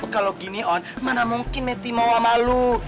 kalau gini on mana mungkin meti mau sama lu